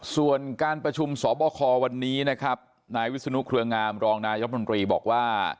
ส่วนการประชุมสบควันนี้นะครับนายวิศนุเครืองามรองนายรัฐมนตรีบอกว่า